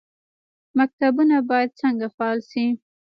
مکتبونه باید څنګه فعال شي؟